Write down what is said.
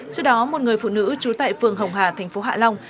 trước đó một người phụ nữ trú tại phường hồng hà thành phố hạ long